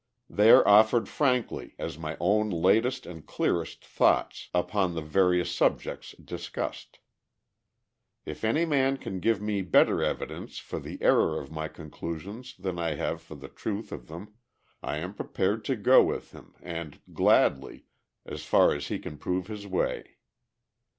They are offered frankly as my own latest and clearest thoughts upon the various subjects discussed. If any man can give me better evidence for the error of my conclusions than I have for the truth of them I am prepared to go with him, and gladly, as far as he can prove his way.